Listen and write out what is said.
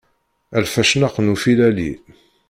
A lfacnaq n ufilali.